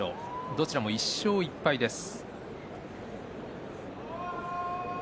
どちらも１勝１敗です。